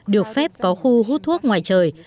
được phép có khu hút thuốc ngoài trời